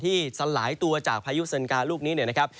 สลายตัวจากพายุเซินกาลูกนี้เนี่ยนะครับ